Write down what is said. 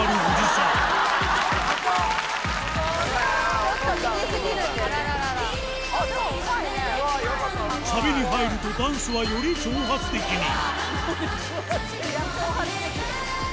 サビに入るとダンスはより挑発的に。